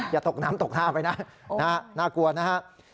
อย่าตกน้ำตกท่าไปนะน่ากลัวนะฮะ